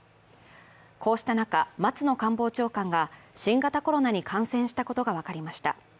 こうした中、松野官房長官が新型コロナに感染したことが分かりました。